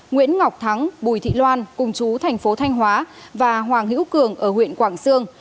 nguyễn ngọc thắng bùi thị loan cung chú tp thanh hóa và hoàng hữu cường ở huyện quảng sương